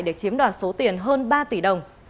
để chiếm đoạt số tiền hơn ba tỷ đồng